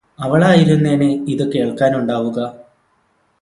അവളായിരുന്നേനെ ഇത് കേള്ക്കാന് ഉണ്ടാവുക